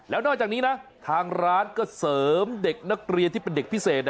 แล้วนอกจากนี้นะทางร้านก็เสริมเด็กนักเรียนที่เป็นเด็กพิเศษ